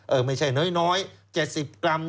ไม่ใช่น้อย๗๐กรัม